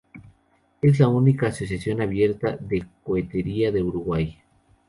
Es la única asociación abierta de cohetería de Uruguay.